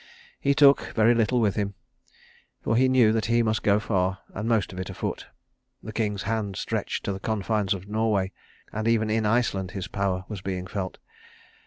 He took very little with him, for he knew that he must go far, and most of it afoot. The king's hand stretched to the confines of Norway, and even in Iceland his power was being felt.